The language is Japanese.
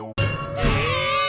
え！